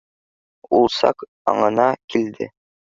Ул саҡ аңына килде